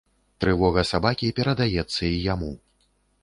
Трывога сабакі перадаецца і яму.